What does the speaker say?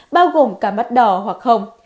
bao gồm cả mắt đỏ hoặc hồng